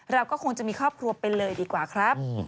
เราก็คงจะมีครอบครัวไปเลยดีกว่าครับ